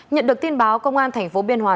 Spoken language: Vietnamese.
nhận được tin báo công an thành phố biên hòa